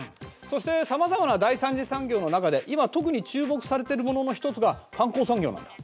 そしてさまざまな第３次産業の中で今特に注目されているものの一つが観光産業なんだ。